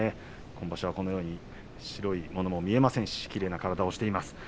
今場所は白いものも見えませんしきれいな体をしています。